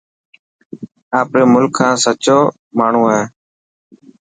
آپري ملڪ کان سچو ماڻهو هي.